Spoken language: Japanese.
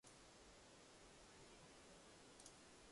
ahfuhiu